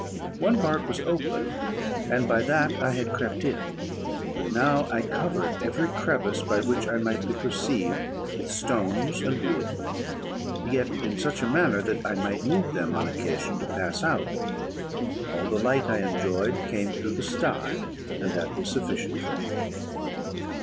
One part was open, and by that I had crept in; but now I covered every crevice by which I might be perceived with stones and wood, yet in such a manner that I might move them on occasion to pass out: all the light I enjoyed came through the sty, and that was sufficient for me.